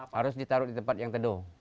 harus ditaruh di tempat yang teduh